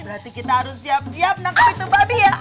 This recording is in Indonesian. berarti kita harus siap siap menangkap itu babi ya